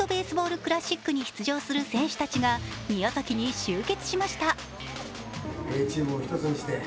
クラシックに出場する選手たちが宮崎に集結しました。